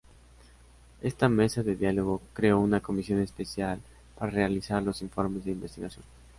Esta mesa de diálogo creó una comisión especial para realizar los informes de investigación.